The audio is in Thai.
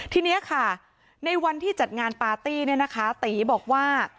ทีนี้ค่ะในวันที่จัดงานปาร์ตี้เนี่ยนะคะตีบอกว่า